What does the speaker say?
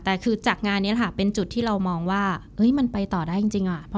แต่คือจากงานนี้ค่ะเป็นจุดที่เรามองว่ามันไปต่อได้จริง